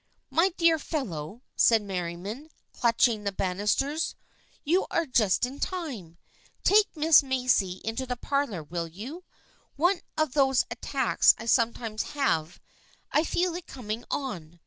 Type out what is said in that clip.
" My dear fellow," said Merriam, clutching the bannisters, "you are just in time! Take Miss Macy into the parlor, will you? One of those attacks I sometimes have — I feel it coming on.